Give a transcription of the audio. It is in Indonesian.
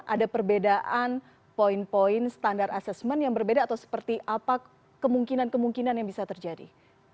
ada perbedaan poin poin standar asesmen yang berbeda atau seperti apa kemungkinan kemungkinan yang bisa terjadi